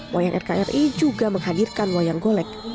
wayang rkri juga menghadirkan wayang golek